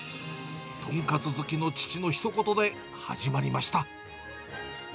豚カツ好きの父のひと言で、始まりました。